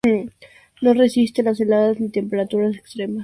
No resisten las heladas ni temperaturas extremas.